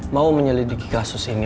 mau menyelidiki kasus ini